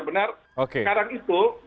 benar sekarang itu